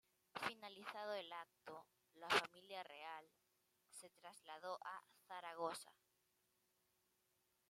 Finalizado el acto, la familia real, se trasladó a Zaragoza.